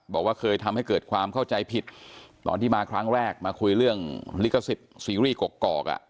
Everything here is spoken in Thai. บอกว่าเคยทำให้เกิดความเข้าใจผิดตอนที่มาครั้งแรกมาคุยเรื่องลิขสิทธิ์ซีรีส์กอก